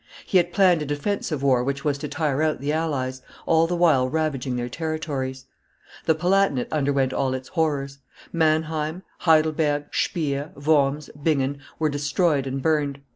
He had planned a defensive war which was to tire out the allies, all the while ravaging their territories. The Palatinate underwent all its horrors. Manheim, Heidelberg, Spires, Worms, Bingen, were destroyed and burned.